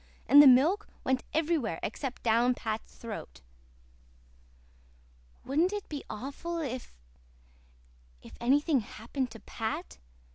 And the milk went everywhere except down Pat's throat." "Wouldn't it be awful if if anything happened to Pat?"